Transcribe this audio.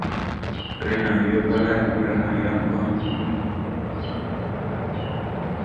Ree này we pa lay, re mãy yan pa.